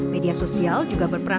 media sosial juga berperan